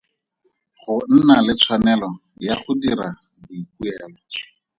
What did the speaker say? Go nna le tshwanelo ya go dira boikuelo.